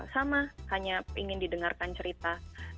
sama hanya ingin didengarkan cerita